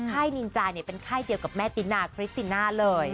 ค่ายนินจาเนี่ยเป็นค่ายเดียวกับแม่ตินาคริสติน่าเลย